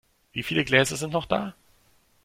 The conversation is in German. Wieviele Gläser sind noch da?